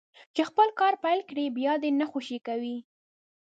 چې خپل کار پيل کړي بيا دې يې نه خوشي کوي.